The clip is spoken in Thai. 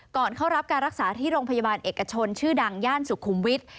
เข้ารับการรักษาที่โรงพยาบาลเอกชนชื่อดังย่านสุขุมวิทย์